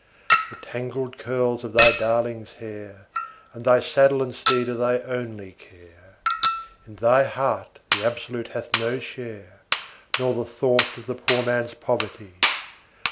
The tangled curls of thy darling's hair, and thy saddle and teed are thy only care; In thy heart the Absolute hath no share, nor the thought of the poor man's poverty.